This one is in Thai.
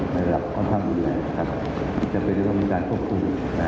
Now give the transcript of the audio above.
ในระหว่างความอุ่นไหลจะเป็นอุปกรณ์การควบคุม